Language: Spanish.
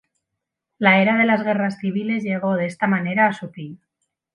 La era de las guerras civiles llegó de esta manera a su fin.